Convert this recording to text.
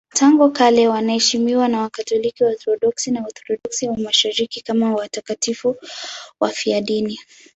Tangu kale wanaheshimiwa na Wakatoliki, Waorthodoksi na Waorthodoksi wa Mashariki kama watakatifu wafiadini.